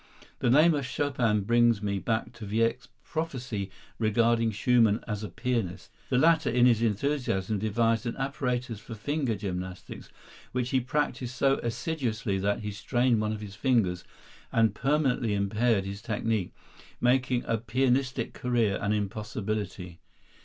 The name of Chopin brings me back to Wieck's prophecy regarding Schumann as a pianist. The latter in his enthusiasm devised an apparatus for finger gymnastics which he practised so assiduously that he strained one of his fingers and permanently impaired his technique, making a pianistic career an impossibility.